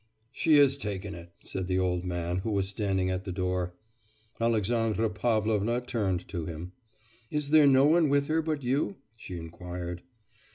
'She has taken it,' said the old man who was standing at the door. Alexandra Pavlovna turned to him. 'Is there no one with her but you?' she inquired.